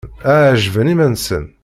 Ɛeǧben i iman-nsen.